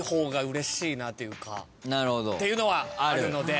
っていうのはあるので。